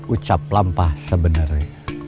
ucap lampah sebenarnya